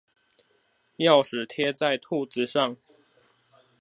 鑰匙貼在兔子上